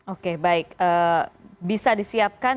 oke baik bisa disiapkan